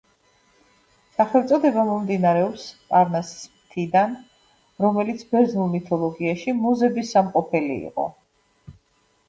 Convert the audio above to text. სახელწოდება მომდინარეობს პარნასის მთიდან, რომელიც ბერძნულ მითოლოგიაში მუზების სამყოფელი იყო.